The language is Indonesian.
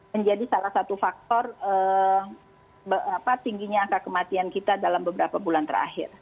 menjadi salah satu faktor tingginya angka kematian kita dalam beberapa bulan terakhir